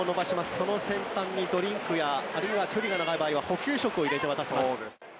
その先端に、ドリンクやあるいは距離が長い場合は補給食を入れて渡します。